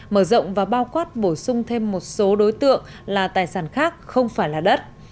mở rộng và bao quát bổ sung thêm một số đối tượng là tài sản khác không phải là đất